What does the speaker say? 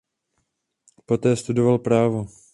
Poté studoval právo.